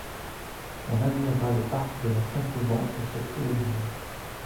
On admirera le parc de l'ancien couvent et surtout l'église.